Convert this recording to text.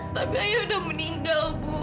tapi ayah udah meninggal bu